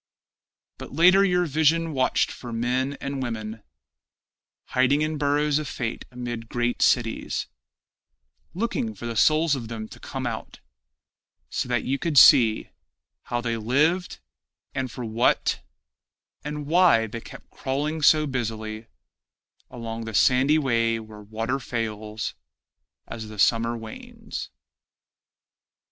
But later your vision watched for men and women Hiding in burrows of fate amid great cities, Looking for the souls of them to come out, So that you could see How they lived, and for what, And why they kept crawling so busily Along the sandy way where water fails As the summer wanes.